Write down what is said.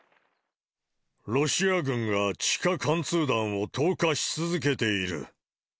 ロシア軍が地下貫通弾を投下し続けている。